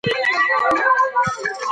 ډېر پروتین خوړل د خېټې غوړ کموي.